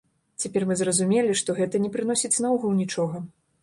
Цяпер мы зразумелі, што гэта не прыносіць наогул нічога.